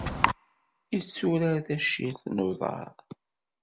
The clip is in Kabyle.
Yetturar tacirt n uḍar.